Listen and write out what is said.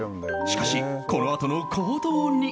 しかし、このあとの行動に。